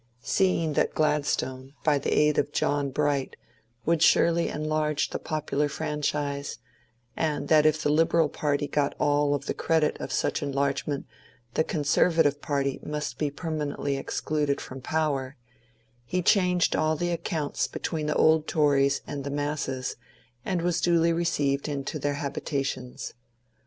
Seeing that Gladstone, by the aid of John Bright, would surely enlarge the popular franchise, and that if the Liberal party got aU the credit of such enlarge ment the Conservative party must be permanently excluded from power, he changed all the accounts between the old Tories and the masses and was duly received into their hab itations.